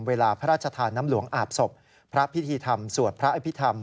เวลาพระราชทานน้ำหลวงอาบศพพระพิธีธรรมสวดพระอภิษฐรรม